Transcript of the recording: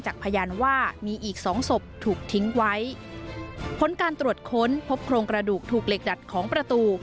พยานว่ามีอีกสองศพถูกทิ้งไว้ผลการตรวจค้นพบโครงกระดูกถูกเหล็กดัดของประตู